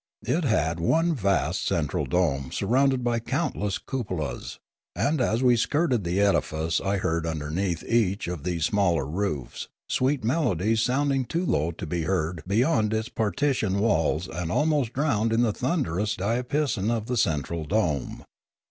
It had oue vast central dome surrounded by countless cupolas, and as we skirted the edifice I heard underneath each of these smaller roofs sweet melodies sounding too low to be heard beyond its partition walls and almost drowned in the thunderous diapason of the central dome.